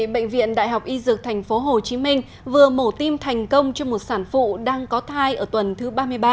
bệnh viện đại học y dược tp hcm vừa mổ tim thành công cho một sản phụ đang có thai ở tuần thứ ba mươi ba